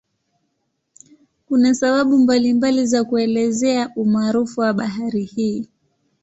Kuna sababu mbalimbali za kuelezea umaarufu wa bahari hii.